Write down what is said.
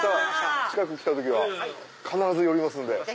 近く来た時は必ず寄りますんで。